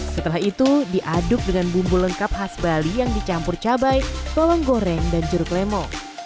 setelah itu diaduk dengan bumbu lengkap khas bali yang dicampur cabai bawang goreng dan jeruk lemo